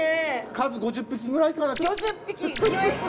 数５０匹ぐらいかな。